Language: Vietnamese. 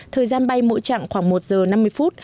thời gian bay mỗi chặng khoảng một giờ năm mươi phút